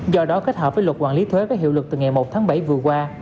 do đó kết hợp với luật quản lý thuế có hiệu lực từ ngày một tháng bảy vừa qua